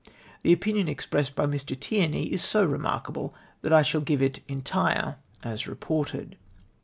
The opinion expressed by Mr. Tierney is so remarkable that I si i all give it entire as reported.